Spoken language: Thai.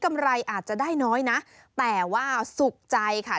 กำไรอาจจะได้น้อยนะแต่ว่าสุขใจค่ะ